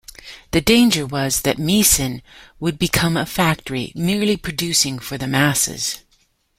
The danger was that Meissen would become a factory merely producing for the masses.